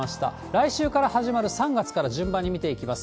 来週から始まる３月から順番に見ていきます。